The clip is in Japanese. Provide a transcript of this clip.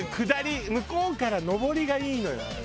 下り向こうから上りがいいのよ。